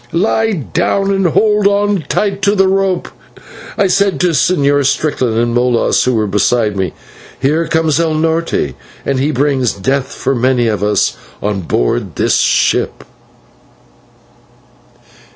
"Lie down and hold on tight to the rope," I said to the Señor Strickland and Molas, who were beside me, "here comes /el Norte/, and he brings death for many of us on board this ship."